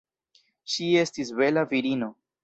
Ŝi estis bela virino.